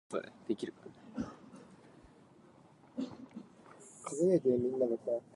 It lay between Umma and Lagash.